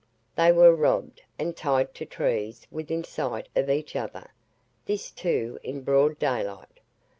They were robbed, and tied to trees within sight of each other this too in broad daylight.